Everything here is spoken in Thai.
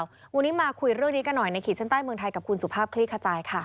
วันนี้มาคุยเรื่องนี้กันหน่อยในขีดเส้นใต้เมืองไทยกับคุณสุภาพคลี่ขจายค่ะ